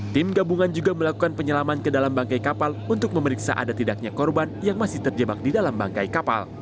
tim gabungan juga melakukan penyelaman ke dalam bangkai kapal untuk memeriksa ada tidaknya korban yang masih terjebak